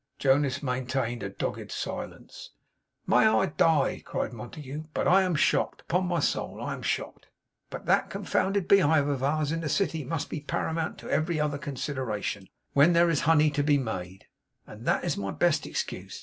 Jonas maintained a dogged silence. 'May I die,' cried Montague, 'but I am shocked! Upon my soul I am shocked. But that confounded beehive of ours in the city must be paramount to every other consideration, when there is honey to be made; and that is my best excuse.